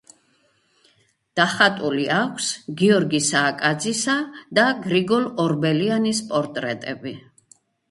დახატული აქვს გიორგი სააკაძისა და გრიგოლ ორბელიანის პორტრეტები.